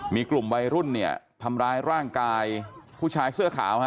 มีกลุ่มวัยรุ่นเนี่ยทำร้ายร่างกายผู้ชายเสื้อขาวฮะ